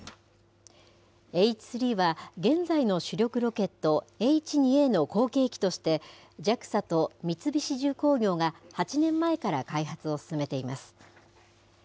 Ｈ３は、現在の主力ロケット、Ｈ２Ａの後継機として、ＪＡＸＡと三菱重工業が８年前から開発を進めています。